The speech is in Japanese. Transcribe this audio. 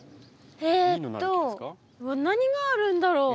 えと何があるんだろう？